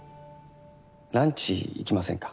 ランチ行きませんか？